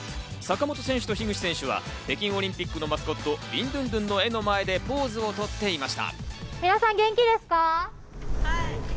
坂本選手と樋口選手は北京オリンピックのマスコット・ビンドゥンドゥンの絵の前でポーズをとっていました。